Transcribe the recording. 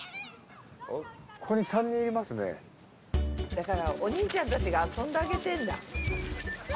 だからお兄ちゃんたちが遊んであげてんだ。